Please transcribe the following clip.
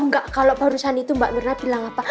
tau ga kalo barusan itu mbak mirna bilang apa